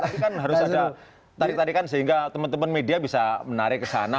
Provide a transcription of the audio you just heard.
tapi kan harus ada tarik tarikan sehingga teman teman media bisa menarik ke sana